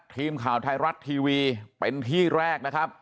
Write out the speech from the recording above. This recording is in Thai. ทีมข่าวไทยรัฐทีวีเป็นที่แรกนะครับ